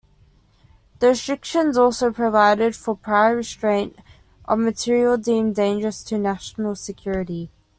The restrictions also provided for prior restraint of material deemed dangerous to national security.